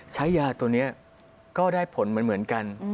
ยาตัวนี้ก็ได้ผลเหมือนกัน